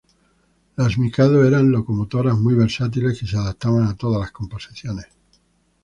Las Mikado eran locomotoras muy versátiles que se adaptaban a todas las composiciones.